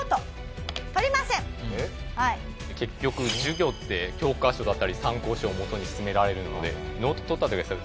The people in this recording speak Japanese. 結局授業って教科書だったり参考書をもとに進められるのでノート取ったっていうか